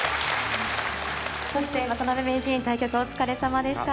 そして渡辺名人対局お疲れさまでした。